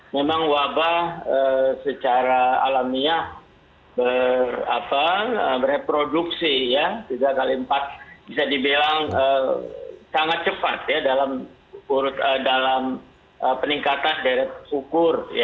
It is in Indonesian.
memang wabah secara alamiah berreproduksi tiga x empat bisa dibilang sangat cepat dalam peningkatan dari ukur